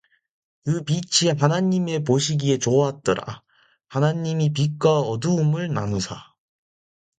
그 빛이 하나님의 보시기에 좋았더라 하나님이 빛과 어두움을 나누사